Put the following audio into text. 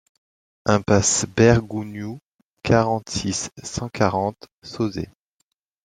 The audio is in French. Impasse Bergougnoux, quarante-six, cent quarante Sauzet